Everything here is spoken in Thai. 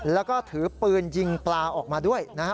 แล้วก็ถือปืนยิงปลาออกมาด้วยนะฮะ